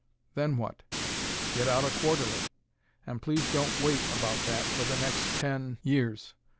Then what? Get out a Quarterly! And please don't wait about that for the next ten years.